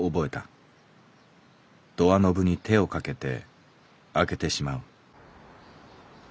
ドア・ノブに手をかけて開けてしまう」。